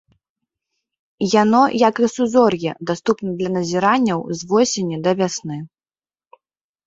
Яно як і сузор'е даступна для назіранняў з восені да вясны.